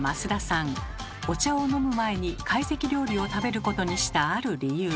お茶を飲む前に懐石料理を食べることにした「ある理由」